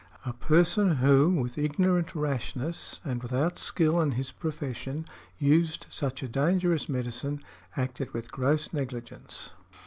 A person who, with ignorant rashness, and without skill in his profession, used such a dangerous medicine, acted with gross negligence.